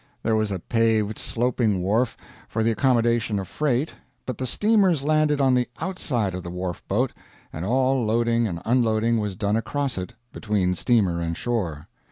There was a paved sloping wharf, for the accommodation of freight, but the steamers landed on the outside of the wharfboat, and all loading and unloading was done across it, between steamer and shore.